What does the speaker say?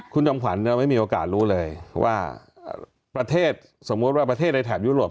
คุณจอมขวัญไม่มีโอกาสรู้เลยว่าประเทศสมมุติว่าประเทศในแถบยุโรป